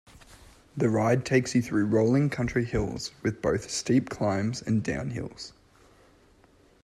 The ride takes you through rolling country hills, with both steep climbs and downhills.